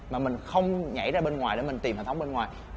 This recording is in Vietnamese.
mà mình không nhảy ra bên ngoài để mình tìm hệ thống bên ngoài